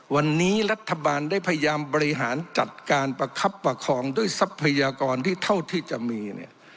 วันนี้รัฐบาลได้พยายามบริหารจัดการประคับประคองด้วยทรัพยากรที่เท่าที่จะมีเนี่ย